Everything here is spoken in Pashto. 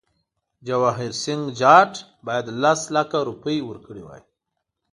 جواهرسینګه جاټ باید لس لکه روپۍ ورکړي وای.